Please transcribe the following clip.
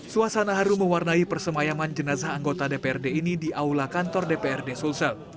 suasana harum mewarnai persemayaman jenazah anggota dprd ini di aula kantor dprd sulsel